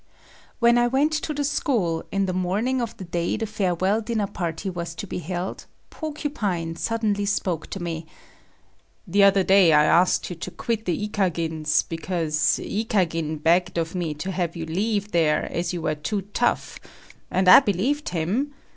When I went to the school, in the morning of the day the farewell dinner party was to be held, Porcupine suddenly spoke to me; "The other day I asked you to quit the Ikagins because Ikagin begged of me to have you leave there as you were too tough, and I believed him.